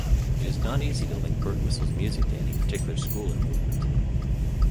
It is not easy to link Birtwistle's music to any particular school or movement.